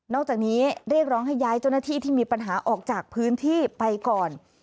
จากนี้เรียกร้องให้ย้ายเจ้าหน้าที่ที่มีปัญหาออกจากพื้นที่ไปก่อน